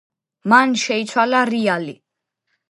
მან შეცვალა რიალი.